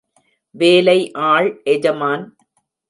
வேலை ஆள் எஜமான்!